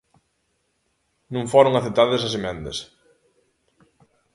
Non foron aceptadas as emendas.